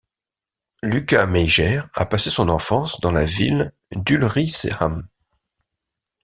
Lukas Meijer a passé son enfance dans la ville d'Ulricehamn.